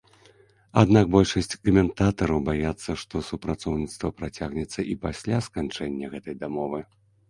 Аднак большасць каментатараў баяцца, што супрацоўніцтва працягнецца і пасля сканчэння гэтай дамовы.